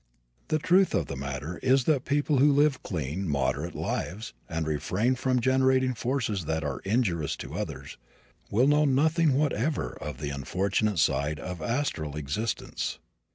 The truth of the matter is that people who live clean, moderate lives, and refrain from generating forces that are injurious to others, will know nothing whatever of the unfortunate side of astral existence.